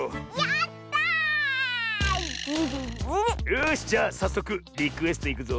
よしじゃあさっそくリクエストいくぞ。